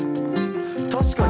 確かに！